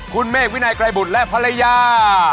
คุณเมฆวินัยไกรบุตรและภรรยา